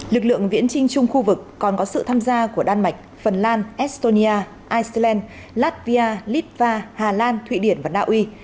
lực lượng viễn trinh chung khu vực còn có sự tham gia của đan mạch phần lan estonia iceland latvia litva hà lan thụy điển và naui